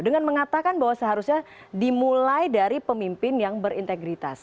dengan mengatakan bahwa seharusnya dimulai dari pemimpin yang berintegritas